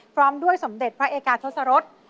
พร้อมด้วยสมเด็จพระเอกาทศรษ